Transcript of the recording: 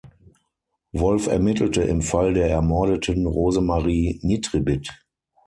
Wolf ermittelte im Fall der ermordeten Rosemarie Nitribitt.